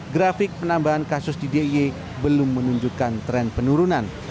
grafik penambahan kasus di d i e belum menunjukkan tren penurunan